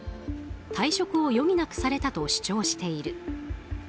退職を余儀なくされたと主張している。